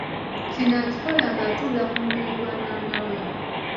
Kino akikola ng’atuula ku mubiri gwa maama we.